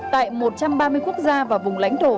tại một trăm ba mươi quốc gia và vùng lãnh thổ